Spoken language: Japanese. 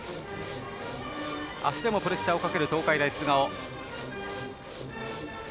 足でもプレッシャーをかける東海大菅生。